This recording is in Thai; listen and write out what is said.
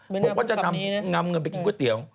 บอกว่าจะนำเงินไปกินก๋วยเตี๋ยว